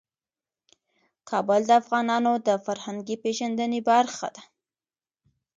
کابل د افغانانو د فرهنګي پیژندنې برخه ده.